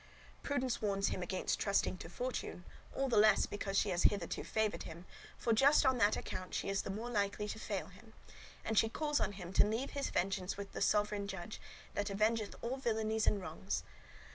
Prudence warns him against trusting to Fortune, all the less because she has hitherto favoured him, for just on that account she is the more likely to fail him; and she calls on him to leave his vengeance with the Sovereign Judge, that avengeth all villainies and wrongs.